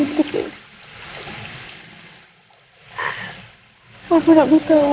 aku tak tahu kenapa kamu tiba tiba